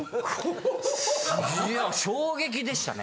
いや衝撃でしたね。